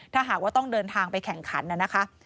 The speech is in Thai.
ถ้าหากว่าต้องเดินทางไปแข่งขันน่ะนะคะ